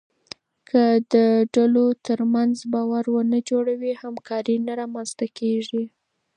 که د ډلو ترمنځ باور ونه جوړوې، همکاري نه رامنځته کېږي.